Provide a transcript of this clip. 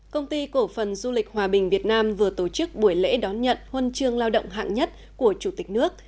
công ty cổ phần du lịch hòa bình việt nam vừa tổ chức buổi lễ đón nhận huân chương lao động hạng nhất của chủ tịch nước